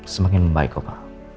semakin baik opa